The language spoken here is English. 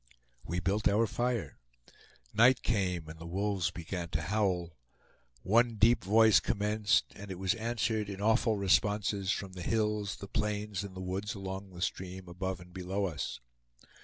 We built our fire. Night came, and the wolves began to howl. One deep voice commenced, and it was answered in awful responses from the hills, the plains, and the woods along the stream above and below us.